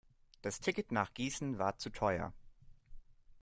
Das Ticket nach Gießen war zu teuer